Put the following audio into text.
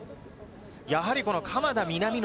やはり鎌田、南野。